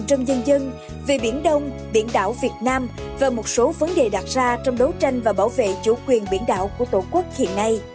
trong dân dân về biển đông biển đảo việt nam và một số vấn đề đặt ra trong đấu tranh và bảo vệ chủ quyền biển đảo của tổ quốc hiện nay